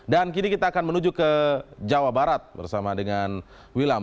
dan kini kita akan menuju ke jawa barat bersama dengan wilam